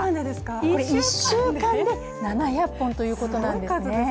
これ１週間で７００本ということなんですね。